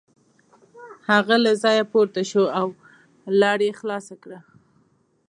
هغه له ځایه پورته شو او لار یې خلاصه کړه.